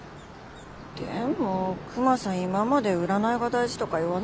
でもクマさん今まで占いが大事とか言わなかったよ。